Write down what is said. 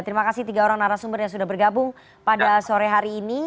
terima kasih tiga orang narasumber yang sudah bergabung pada sore hari ini